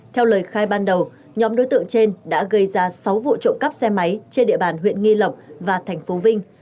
theo lời khai ban đầu nhóm đối tượng trên đã gây ra sáu vụ trộm cắp xe máy trên địa bàn huyện nghi lộc và thành phố vinh